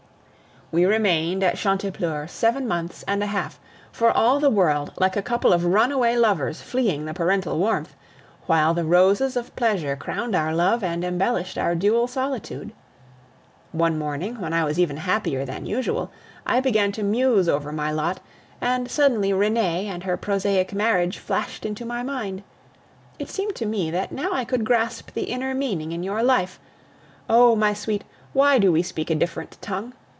We remained at Chantepleurs seven months and a half, for all the world like a couple of runaway lovers fleeing the parental warmth, while the roses of pleasure crowned our love and embellished our dual solitude. One morning, when I was even happier than usual, I began to muse over my lot, and suddenly Renee and her prosaic marriage flashed into my mind. It seemed to me that now I could grasp the inner meaning in your life. Oh! my sweet, why do we speak a different tongue?